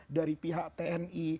dari pihak tni